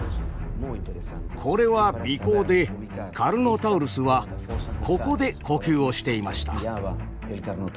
これは鼻孔でカルノタウルスはここで呼吸をしていました。